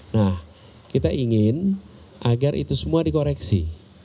nah kita ingin agar itu semua dikoreksi